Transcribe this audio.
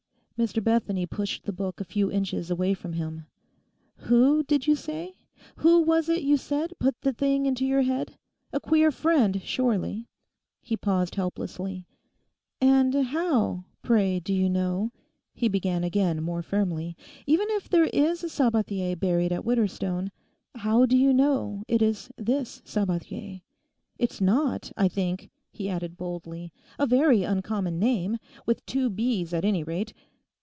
Mr. Bethany pushed the book a few inches away from him. 'Who, did you say—who was it you said put the thing into your head? A queer friend surely?' he paused helplessly. 'And how, pray, do you know,' he began again more firmly, 'even if there is a Sabathier buried at Widderstone, how do you know it is this Sabathier? It's not, I think,' he added boldly, 'a very uncommon name; with two b's at any rate.